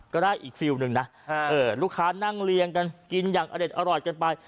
ก็ได้อีกฟิลล์หนึ่งนะลูกค้านั่งเรียงกันกินอย่างอเด็ดอร่อยกันไป